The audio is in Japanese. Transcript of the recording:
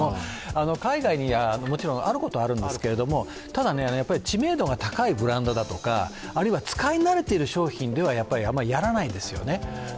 海外にはもちろんあることにはあるんですが、知名度が高いブランドだとかあるいは使い慣れている商品ではあんまりやらないですよね。